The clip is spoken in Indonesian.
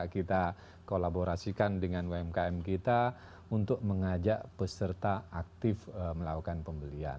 kita kolaborasikan dengan umkm kita untuk mengajak peserta aktif melakukan pembelian